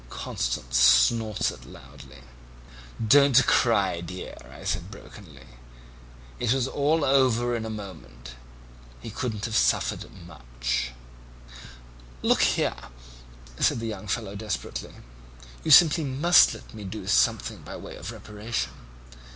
"Constance snorted loudly. "'Don't cry, dear,' I said brokenly; 'it was all over in a moment. He couldn't have suffered much.' "'Look here,' said the young fellow desperately, 'you simply must let me do something by way of reparation.'